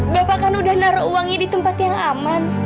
bapak kan udah naruh uangnya di tempat yang aman